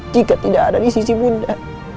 jika tidak ada di sisi bunda